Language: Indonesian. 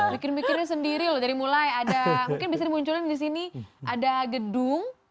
bikin mikirnya sendiri loh dari mulai ada mungkin bisa dimunculin di sini ada gedung